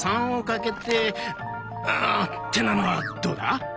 あってなのはどうだ？